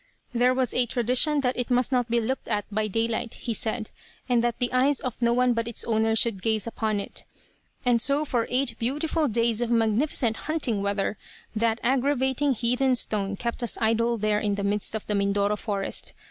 There was a tradition that it must not be looked at by daylight, he said, and that the eyes of no one but its owner should gaze upon it. "And so, for eight beautiful days of magnificent hunting weather, that aggravating heathen stone kept us idle there in the midst of the Mindoro forest.